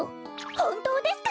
ほんとうですか？